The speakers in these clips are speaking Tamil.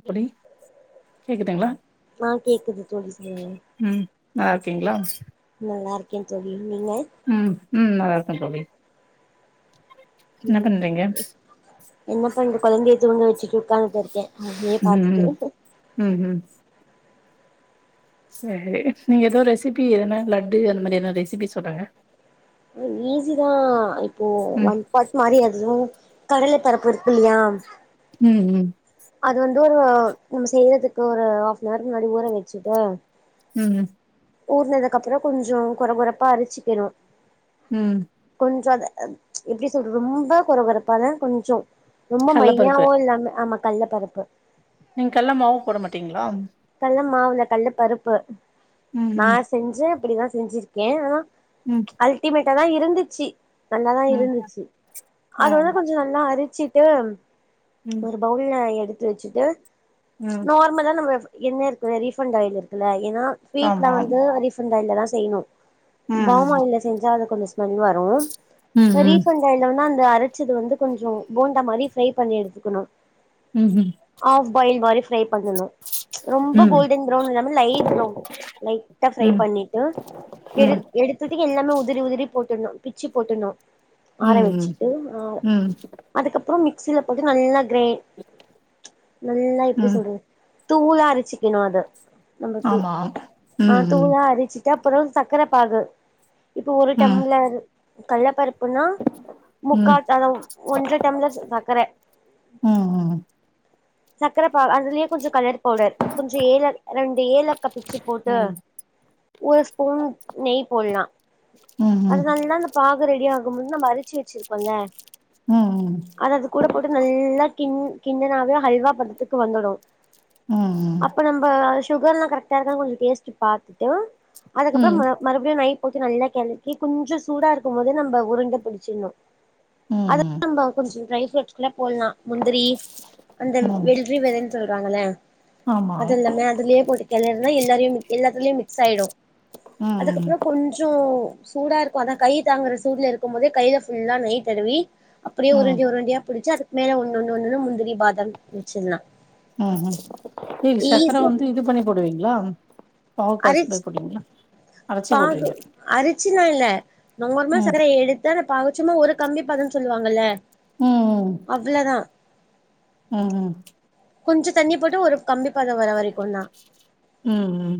அப்படி கேக்குந்துங்களா ஆ கேக்குது தோழி சொல்லுங்க ம் நல்ல இருக்கீங்களா நல்லா இருக்கேன் தோழி நீங்க உம் உம் நல்லா இருக்க தோழி என்ன ம் பண்றீங்க என்ன பண்ற குழந்தைய தூங்க வச்சுட்டு உட்காந்து இருக் இருக்கே அப்டியே பாத்துட்டு ம் ம் செரி நீங்க ஏதோ ரெசிபி ஏனா லட்டு அந்த மாதிரி என்ன ரெசிபி சொல்றாங்க ஈஸி தா இப்போ ம் ஒன் பட் மாதிரி அதுவு கடல பருப்பு இருக்கு இல்லயா ம் ம் அது வந்து ஒரு நம்ம செய்றதுக்கு ஒரு ஹாப்னர் முன்னாடி ஊற வச்சுட்டு ம் ஊர்னதுக்கு அப்றோ கொஞ்ச குர குரப்பா அறச்சிக்கணு ம் கொஞ்சோ அத எப்படி சொல்றது ரொம்ப குறை குரப்பா இல்ல கொஞ்சோ ரொம்ப கல்ல பருப்பு மையாவு இல்லாம ஆமா கல்ல பருப்பு நீங் கல்ல மாவு போட மாட்டீங்ளா கல்ல மாவுல இல்ல கல்ல பருப்பு ம் நா ம் செஞ்சே அப்டிதா செஞ்சிருக்கே ஆனா ம் அல்டிமேட்ட தா இருந்துச்சு நல்ல தா ம் இருந்துச்சு ஆ அத வந்து கொஞ் சோ நல்லா அரிச்சிட்டு ம் ஒரு பவுல்ல எடுத்து வச்சுட்டு ம் நார்மலா நம்ம என்னெ இருக்குல ரீஃபண்ட் ஆயில் இருக்குல ஏனா ஸ்வீட்ல ஆமா வந்து ரீஃபண்ட் ஆயில்ல தா செய்ணு ம் ம் பாமாயில்ல செஞ்சா அது கொஞ்ச ஸ்மெல் வரு இப்ப ம் ரீபண்ட் ஆயில்னா அரச்சது வந்து கொஞ்சோ போண்டா மாரி ஃப்ரை பண்ணி எடுத்துக்கணு ம் ம் ஹஃப் பாயில் மாரி ப்ரை பண்ணணு ரொம்ப ம் கோல்டன் ப்ரவுன் இல்லாம லைட் ப்ரவுன் லைட்டா ம் ஃபரை ம் பண்ணிட்டு எடு எடுத்துட்டு எல்லாமே உதிரி உதிரி போட்டணு பிச்சு போட்டணு ம் ஆரவச்சிட்டு ஆ ம் அதுக்கப்றோ மிக்ஸ்சியில போட்டு நல்லா கிரைண் நல்லா எப்டி ம் சொல்றது தூளா அரச்சிக்கணு அத நமக்கு ஆமா ஆ ம் ம் தூளா அரச்சி ட்டு அப்றோ சக்கர பாகு இப்ப ஒரு ம் டம்ளர் கல்லப்பருப்புனா ம் முக்காடளவு ஒன்ற டம்ளர் சக்கர ம் ம் சக்கர பாகு அதுலயே கொஞ்ச கலர் பவுடர் கொஞ்ச ஏல ரெண்டு ஏல க பிச்சு போட்டு ம் ஒரு ஸ்பூன் நெய் போடலா ம் ம் பாகு ரெடி ஆகுமுன் நம்ம அரச்சு வச்சிருக்கோம்ல ம் ம் அத அது கூட போட்டு நல்லா கிண் கிண்ணனாவே அல்வா பதத்துக்கு வந்துடு ம் ம் அப்ப நம்ப சுகர்லா கரக் டா இருக்கானு கொஞ்சோ டேஸ்ட் பாத்துட்டு அதுக்கப்றோ ம் ம மறுபடியு நெய் போட்டு நல்லா கிழக்கி கொஞ்சோ சூட இருக்கு போதே நம்ம உருண்ட புடிச்சிடணு அதுல ம் நம்ம கொஞ்சோ ட்ரை ஃப்ரூட்ஸ்க்கல போட்லா முந்திரி அந்த ம் வெல்றி விதனு சொல்றாங்ள ஆமா அது எல்லாமே அதுலயே போட்டு கிளறனா எல்லாரையும் எல்லாத்லயு மிக்ஸ் ஆயிடு ம் ம் அதுக்கப்றோ கொஞ்சோ சூடா இருக்கு அதா கை தாங்குற சூடுல இருக்கும் போதே கைல ஃபுல்லா நெய் தடவி அப்படியே ம் உருண்ட உருண்டயா புடிச்சு அதுக்கு மேல ஒண்ண ஒண்ணு ஒண்ணுண்ணு முந்திரி பாதம் வச்சிர்லா ம் ம் இதுக்கு சக்கர வந்து இது பண்ணி போடுவீங்ளா பாகு காஸ் அரிச் மாய் போடுவிங்ளா பாகு அரிச்சுலா இல்ல நார்மலா ம் சக்கர எடுத் து அந்த பாகு சும்மா ஒரு கம்பி பதம்னு சொல்லுவாங்கல்ல ம் அவ்வளோதா ம் கொஞ்சோ தண்ணி போட்டு ஒரு கம்பி பதோ வர வரைக்கு தா ம் ம்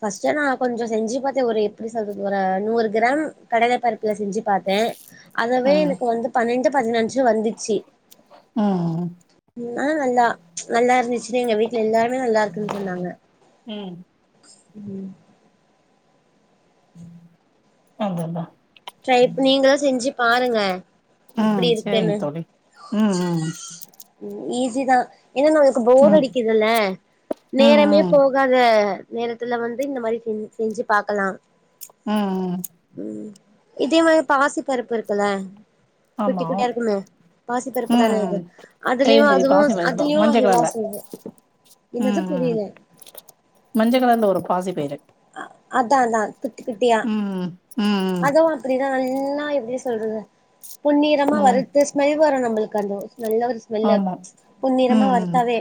ஃபஸ்ட்டு நா கொஞ்சோ செஞ்சு பாத் ஒரு எப்டி சொல்றது ஒரு நூறு கிராம் கடல பருப்புல செஞ்சு பாத்த அதவே ம் எனக்கு வந்து பன்னெண்டு பதினஞ்சு வந்துச்சு ம் ஆனா நல்லா நல்லா இருந்துச்சுன்னு எங்க வீட்ல எல்லாருமே நல்லா இருக்குன் சொன்னாங்க ம் ம் ம் அததா ட்ரைப் நீங்களு செஞ்சு பாருங்க எப்டி ம் சேரிங்க இருக்குன்னு தோழி ம் ம் ஈஸி தா ஏனா நமக்கு போர் ம் அடிக்குதுல்ல ம் நேரமே ம் ம் போ போகாத நேரத்துல வந்து இந்த மாரி செஞ் செஞ்சு பாக்கலா ம் ம் ம் இதே மாரி பாசி பருப்பு இருக்குல்ல குட்டி ஆமா குட்டியா இருக்குமே பாசிப்பருப்பு தான ம் அது தெரியு அதுலயு தெரியு அதுவு பாசி அதுலயு மஞ்ச அது தா கலர்ல செய்வோ என்னது ம் ம் புரியல மஞ்ச கலர்ல வரு பாசி பயிறு அதா அதா குட்டி குட்டியா ம் ம் அதுவு அப்டிதா நல்லா எப்டி சொல்றது பொன்னிறமா ம் வறுத்து ஸ்மல் வரு நம்மளுக்கு அந்த நல்ல ஒரு ஸ்மெல்லு ஆமா பொன்நிறமா ம் வறுத்தாவே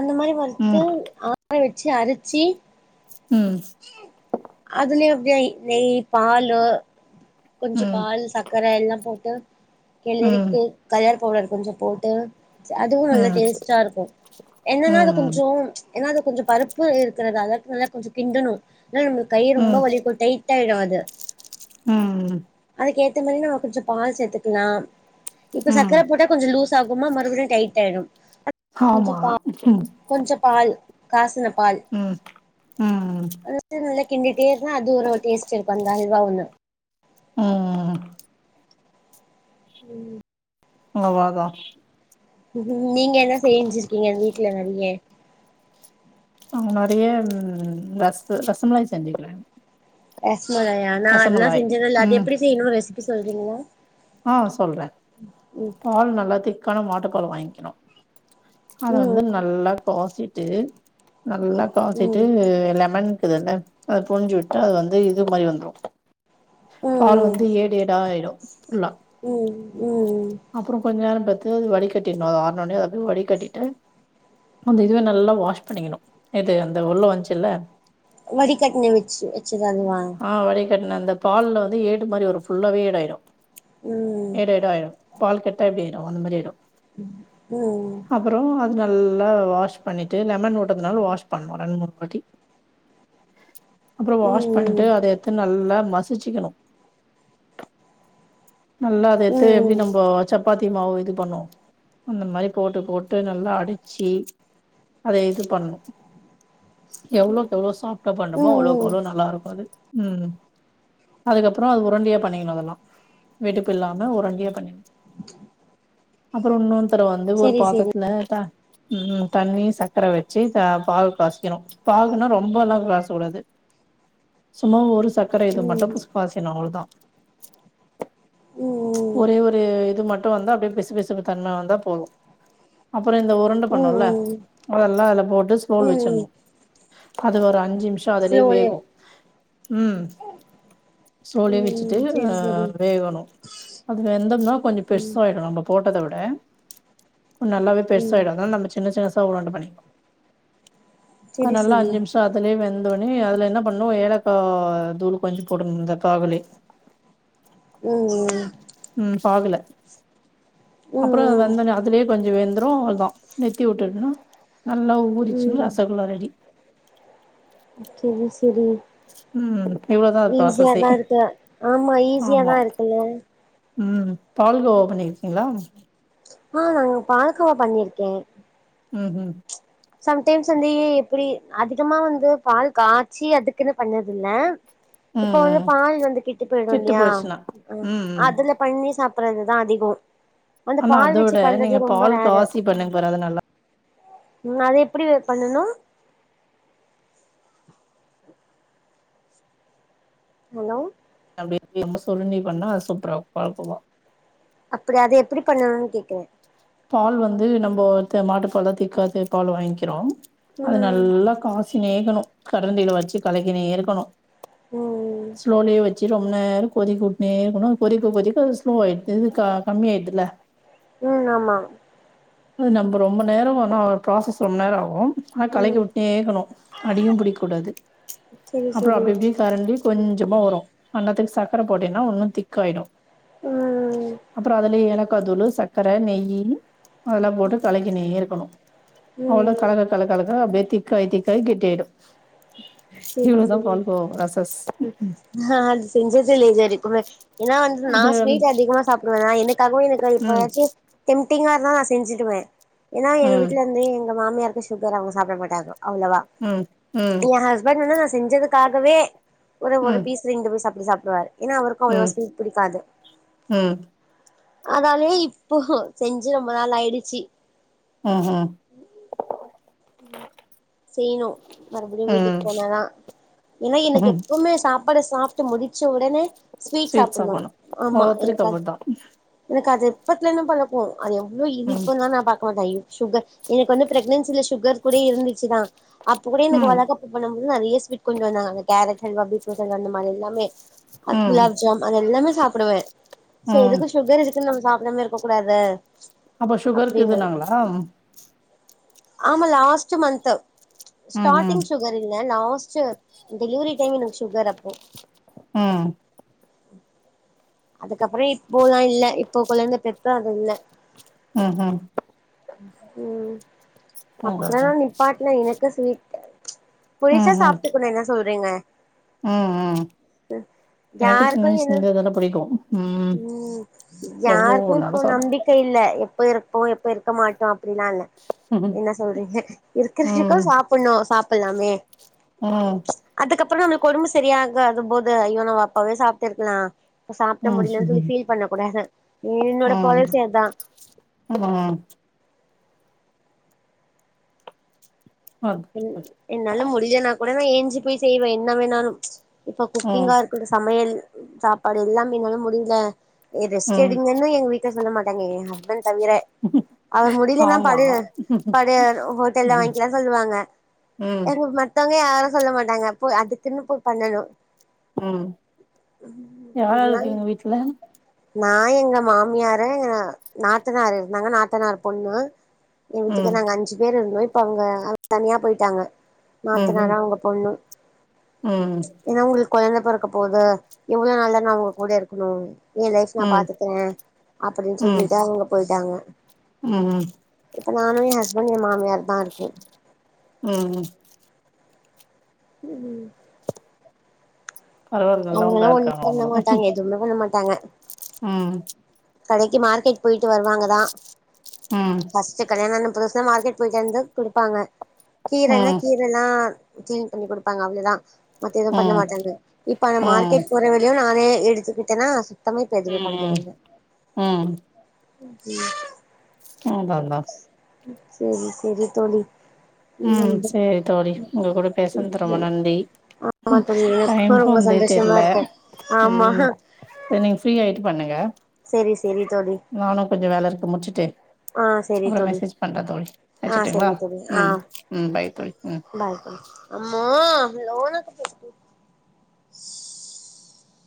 அந்த மாரி ம் வறுத்து காய வச்சு அரிச்சி ம் அதுலயே அப்டியா நெய் பாலு கொஞ்ச ம் பால் சக்கர எல்லா போட்டு ம் ம் கெளரிட்டு கலர் பவ்டர் கொஞ்சோ போட்டு அதுவு நல்ல டேஸ்ட்டா இருக்கு என்னன்னா அது ம் கொஞ்சோ ஏனா அது கொஞ்சோ பருப்பு இருக்கிறதால அதுக்கு நல்லா கொஞ்சோ கிண்டணு இல்லனா நம்ளுக்கு கை ரொம்ப ம் வலிக்கு கை டைட்டாயிடு அது ம் அதுக்கேத்த மாரி நம்ம கொஞ்சோ பால் சேத்துக்கலா இப்ப ம் சக்கர போட்டா கொஞ்ச லூஸ் சாகுமா மறுபடியு டைட் ஆய்டு கொஞ்ச ஆமா பா ம் கொஞ்ச பால் காசின பால் ம் ம் அது வந்து நல்லா கிண்டிட்டே இருந்தா அது ஒரு டேஸ்ட் இருக்கு அந்த அல்வா ஒண்ணு ம் ம் அளவாதா நீங்க என்ன செய்ஞ்சிருக்கீங்க வீட்டுல நறைய அங்க நறைய ம் ரஸ்க் ரசமலாய் செஞ்சுக்குற ரசமலாயி அனா அதல்லா செஞ்சதில்ல அது ம் எப்டி செய்யணு ரெசிபி சொல்றீங்களா ஆ சொல்றே ம் பால் நல்லா திக்கான மாட்டு பால் வாங்கிணு அத ம் வந்து நல்லா காசிட்டு நல்லா காசிட்டு ம் லெமன்க்குதுல்ல அத புலிஞ்சு உட்டு அது வந்து இது மாரி வந்துரு பால் ம் வந்து ஏடு ஏடா ஆயிடு எல்லா ம் ம் அப்பறோ கொஞ்ச நேரம் பத்து அது வடிகட்டிர்ணு அது ஆறுணுன்னே அத வடிகட்டிட்டு அந்த இதுவ நல்லா வாஷ் பண்ணிக்கணு எது அந்த உள்ள வந்ச்சுல்ல வடிகட்டுன வெச்சு வெச்சது அதுவா ஆ வடிகட்டுன அந்த பால்ல வந்து ஏடு மாரி வரு ஃபுல்லாவே ஏடாயிறு ம் ஏடு ஏடா ஆயிடு பால கெட்டா எப்டிடு அந்த மாரி ஆயிடு ம் ம் அப்பறோ அது நல்லா வாஷ் பண்ணிட்டு லெமன் போட்டதுனால வாஷ் பண்ணு ரெண்டு மூணு வாட்டி அப்பறோ வாஷ் ம் பண்ட்டு அத எத்து நல்லா மசிச்சிக்கணு நல்லா அத எத்து எப்டி ம் ம் நம்போ சப் பாத்தி மாவு இது பண்ணோ அந்த மாரி போட்டு போட்டு நல்லா அடிச்சி அத இது பண்ணு எவ்ளோக்கு எவ்வளோ சாப்ட்டா பண்றமோ அவ்ளோக்கு ம் அவ்வளோ நல்லா இருக்கு அது ம் அதுக்கப்பறோ அது உரண்டயா பண்ணிக்கணு அதல்லா வெடுப்பு இல்லாம உருண்டயா பண்ணிர்ணு [inaudible] அப்பறோ இன்னொன் தட வந்து ஒரு செரி செரி பாத்தரத்துல தா ம் ம் தண்ணீ சக்கர வெச்சு த பாகு காசிக்கணு பாகுனா ரொம்ப அல்லா காஸ்ச கூடாது சும்மா ஒரு சக்கர ஐட்டம் மட்டு ம் ஃபுட் [unintelligible] அவ்ளோ தா ம் ம் ஒரே ஒரு இது மட்டு வந்தா அப்டே பிசு பிசுக்கு தன்ம வந்தா போது அப்பறோ இந்த உருண்ட பண்ணோல்ல ம் ம் அதல்லா அதுல போட்டு ஸ்லோல ம் வச்சர்ணு அது ஒரு அஞ்சு நிம்ஸ் ஸோ அதுலே ஸ்லோலி வேகு ம் ஸ்லோலே வெச்சுட்டு ம் செரி செரி வேவணு அது வெந்தம்ன்னா கொஞ்சோ ம் பெருஸ்சாயிடு நம்ம போட்டத விட கொன் நல்லாவே ம் பெருசாயிடு அதனால நம்ம சின்ன சின்ன சா உரண்ட பண்ணிக்கணு [unintelligible] செரி நல்லா செரி அஞ்சு நிம் ட அதுலே வெந்த உன்னே அதுல என்ன பண்ணு ஏலக்கா தூள் கொஞ்சோ போடணு இந்த பாகுளே ம் ம் ம் பாகுல அப்பறோ ம் ம் வெந்தன அதுலே கொஞ்சோ வெந்துரு அதா நிர்த்தி உட்டர்ணு நல்லா ஊருச்சுன் ம் ரசகுளா ரெடி செரி செரி ம் இவ்ளோதா அது ஈஸியா ப்ராசஸே தா இருக்க ஆமா ஈஸியா ஆமா தா இருக்குல்ல ம் பால்கோவ பண்ணிருக்கீங்களா ஆ நாங் இங பால்கோவா பண்ணியிருக்கே ம்ம் சம்டைம்ஸ் வந்து எப்டி அதிகமா வந்து பால் காச்சி அதுக்குன்னு பண்ணறது இல்ல இப்ப ம் வந்து ம் பால் வந்து கெட்டு போயிடு இல்லியா ம் ம் அதுல பண்ணி சாப்புடுறது தா அதிகோ அந்த ஆனா பால் வச்சு அதோட நீங்க பண்றது ரொம்ப பால் ரேரு காசி பண்ணுங்க பாரு அது நல்லா உண்மயாவே எப்டி அத பண்ணுனா ஹலோ அதே நம்ம சொல்ற மாரி பண்ணா அது சூப்பரா இருக் பால்கோவா அப்டியா அத எப்டி பண்ணனுன் கேக்குறே பால் வந்து நம்ப த நாட்டுப்பால் திக்காருக்க பால் வாங்கிக்றோ அது ம் நல்லா காய்ச்சினேருக்கணு கரண்டில வச்சு கலக்கினே இருக்கணு ம் ஸ்லோலயே வச்சு ரொம்ப நேரோ கொதிக்கவுட்னே இருக்கணு கொதிக்க கொதிக்க ஸ்லோவாய்ட்டு க கம்மி ஆயிதுல்ல ம் ஆமா அது நம்ம ரொம்ப நேரம் ஆனா அரு ப்ராசஸ் ரொம்ப நேரோ ஆகு ஆனா ம் கலக்கிவுட்னே இருக்கணு அடியும் புடிக்க கூடாது செரி அப்பறோ செரி அப்டி இப்டி தெரண்டு கொஞ்சமா வரு அந்நேத்துக்கு சக்கர போட்டேன்னா உன்னு திக்காயிடு ம் அப்பறோ அதுலே ஏலக்காதூள் சக்கர நெய்யு அதெல்லா போட்டு கலக்கின்னே இருக்கணு அவ்ளோ ம் கலக்க கல கலக்க அப்டியே திருப் கயக்க கய கெட்டியாயிடு இவ்ளோ தா பால்கோவா ப்ராசஸ் நா அது செஞ்சதே இல்ல இதுவரைக்குமே ஏனா வந்து நா அது ஸ்வீட் அதிகமா சாப்புடுவேனா என்னைக்காது எனக்கு ம் எப்போவாச்சு ம்டிங்கா இருந்தா நா செஞ்சுடுவே ஏனா எங்க ம் வீட்ல வந்து எங்க மாமியருக்கு சு சுகர் அவுங்க சாப்ட மாட்டாங்க அவ்ளோவா ம் ம் பட் என்னா நா செஞ்சதுக்காகவே ஒரு ஒரு ம் பீஸ் ரெண்டு பீஸ் அப்டி சாப்டுவாரு ஏனா அவருக்கும் அவ்ளோவா ம் ஸ்வீட் புடிக்காது ம் அதாலையே இப்போ செஞ்சு ரொம்ப நாள் ஆயிடுச்சு அ ஹ ம் செய்ணு மறுபடியு வீட்டுக்கு ம் போனாதா ஏனா எனக்கு ம் எப்போமே சாப்பாட சாப்ட்டு முடிச்ச ஒடனே ஸ்வீட் சாப்டனு சாப்பட்ணு ஆமா எனக் ஒவ்வொருத்தருக்கு அது அப்டிதா எனக்கு அது எப்பத்துலன்னு பழ க்கோ அது எவ்ளோ ம் இனிப்புன்லா நா பாக்க மாட்டே எவ் சுகர் எனக்கு வந்து பிரெக்னன்சில சு கர் கூட இருந்துச்சுதா அப்ப கூட எனக்கு ம் வளகாப் பு பண்ணு போது நெறைய சுவிட் கொண்டு வந்தாங்க அந்த கேரட் அல்வா பீட்ரூட் அல்வா அந்த மாரி எல்லாமே அ ம் குலாப் ஜாம் அது எல்லாமே சாப்புடுவே சோ ம் எதுக்கு சுகர் இருக்குன்னு நம்ம சாப்டாம இருக்க கூடாத அப்ப சுகருக்குதுன்னாங்களா ஆமா லாஸ்ட் மந்த் ம் ம் ஸ்டார்டிங் சுகரு இல்ல லாஸ்ட் டெலிவரி டைம் எனக்கு சுகர் அப்போ ம் அதுக்கப்புறோ இப்போல்லா இல்ல இப்போ கொழந்த பெத்து அது இல்ல ம் ம் ம் அப்ப ம் கூட ம் நா நிப்பாட்ல எனக்கு ஸ்வீட் புரிசா ம் சாப்ட்டுக்கணு என்ன சொல்றீங்க ம் ம் எனக்கு சின்ன யாருக்கு என்ன வயசுலந்தே இதெல்லா புடிக்கு ம் ம் ம் யாருக்கு இப்போ எவ்ளோனாலு சாப்டுவே நம்பிக்க இல்ல எப்ப இருப்போ எப்ப இருக்க மாட்டோ அப்படிலா இல்ல ம் என்ன சொல்றீங்க இருக்குற வரைக்கு ம் சாப்பணு சாப்புலாமே ம் அதுக்கப்புறோ நம்மக்கு ஓடம்பு சரியாக அது போது ஐயோ நம்ம அப்பவே சாப்பிட்டுருக்கலா ப்ப சாப்பிட ம் முடியலன்னு சொல்லி ஃபீல் பண்ணக்கூடாது என்னோட பாலிசி அதா ம் [unintelligible] என்னாலு முடியலானா கூட நா ஏஞ்சி போய் செய்வே என்ன வேணாலு இப்ப ம் குக்கிங்கா இரு அந்த சமையல் சாப்பாடு எல்லாமே என்னால முடில ஏ ம் ரெஸ்எடுங்கன்னு எங்க வீட்ல சொல்ல மாட்டாங்க என் ஹஸ்பண்ட் தவிர ம் அவர் முடியிலனா ஆமா படு படு ஹோட்ல்ல ம் வாங்கிக்கலா சொல்லுவாங்க ம் அங்க மத்தவங்க யாரு சொல்ல மாட்டாங்க போ அதுக்குன்னு போய் பண்ணணு ம் யாருயார் அதெல்லா இருக்கீங்க வீட்ல நா எங்க மாமியாரு நாத்தனாரு இருந்தாங்க நாத்தனார் பொண்ணு என் வீட்டுக்கு ம் நாங்க அஞ்சு பேர் இருந்தோம் இப்ப அங்க தனியா போயிட்டாங்க ம் நாத்தனாரு ம் அவங்க பொண்ணு ம் ஏன்னா உங்களுக்கு குழந்த பொறக்க போது எவ்ளோ நாள் தான் நா உங்க கூட இருக்கணு என் லைஃப் நா ம் பாத்துக்கிறேன் அப்படின்னு ம் சொல்லிட்டு அவங்க போயிட்டாங்க ம் இப்ப நானு என் ஹஸ்பண்ட் எ மாமியார் தா இருக்கோம் ம் ம் பரவால்ல அவங்கல்லா நல்லவங்களா ஒண்ணு இருக்காங்க பண்ண அவங்களு மாட்டாங்க எதுவுமே பண்ண மாட்டாங்க ம் கடைக்கு மார்க்கெட் போயிட்டு வருவாங்கதா ம் ஃபஸ்ட் கல்யாணம் ஆன புதுசுல மார்கட் போயிட்டு வந்து குடுபாங்க கீீரனா ம் கி னா க்கிளீன் பண்ணி குடுப்பாங்க அவ்ளதா மத்த எது பண்ண ம் மாட்டாங்க இப்ப ம் மார்கெட் போற வேல து நானே எடுத்துகிட்டனா ம் ம் ம் [inaudible] ஆதான்தா சரி சரி தோழி ம் நம்ப சரி தோழி உங்க கூட பேசுது ரொம்ப நன்றி ஆமா ம் தோழி டையம் எனக்கு ரொம்ப போனதே சந்தோஷமா தெரில இருக்கு ஆமா ம் சரி நீங்க ஃப்ரீ ஆயிட்டு பண்ணுங்க சரி சரி தோழி நானும் கொஞ்சம் வேல இருக்கு முடிச்சுட்டு ஆ செரி அப்புறம் தோழி மெசேஜ் பண்றன் தோழி ஆ வச்சுட்டுங்களா செரி தோழி ஆ ம் ம் பை தோழி ம் பாய் தோழி [inaudible]